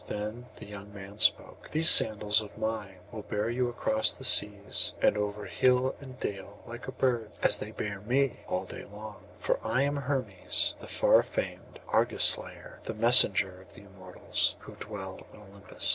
Then the young man spoke: 'These sandals of mine will bear you across the seas, and over hill and dale like a bird, as they bear me all day long; for I am Hermes, the far famed Argus slayer, the messenger of the Immortals who dwell on Olympus.